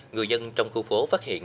người dân trong khu phố phát hiện